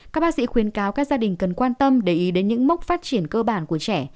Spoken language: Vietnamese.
các bác sĩ khuyên cáo các gia đình cần quan tâm để ý đến những mốc phát triển cơ bản của trẻ